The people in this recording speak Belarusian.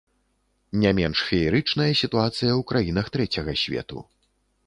Не менш феерычная сітуацыя ў краінах трэцяга свету.